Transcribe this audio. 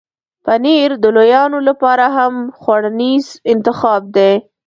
پنېر د لویانو لپاره هم خوړنیز انتخاب دی.